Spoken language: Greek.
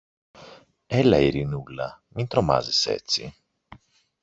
Έλα, Ειρηνούλα, μην τρομάζεις έτσι!